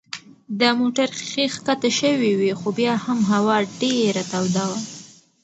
د موټر ښيښې کښته شوې وې خو بیا هم هوا ډېره توده وه.